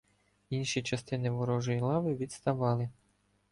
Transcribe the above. Інші частини ворожої лави відставали.